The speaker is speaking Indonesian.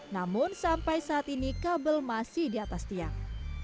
namun sampai saat ini kabel masih di atas tiang